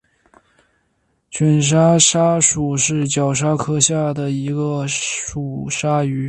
卷盔鲨属是角鲨科下的一属鲨鱼。